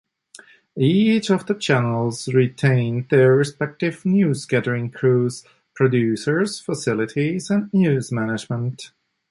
Each of the channels retained their respective newsgathering crews, producers, facilities and news management.